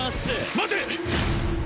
待て！